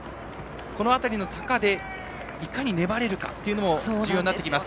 この辺りの坂でいかに粘れるかも重要になってきます。